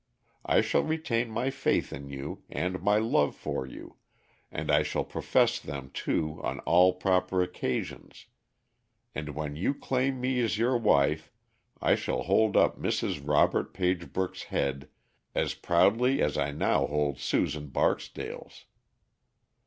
I shall retain my faith in you and my love for you, and I shall profess them too on all proper occasions, and when you claim me as your wife I shall hold up Mrs. Robert Pagebrook's head as proudly as I now hold Susan Barksdale's.